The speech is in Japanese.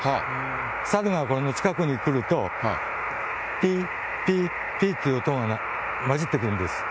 サルがこれの近くに来ると、ぴっ、ぴっ、ぴっという音が交じってくるんです。